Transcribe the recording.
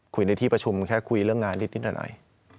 ในที่ประชุมแค่คุยเรื่องงานนิดหน่อย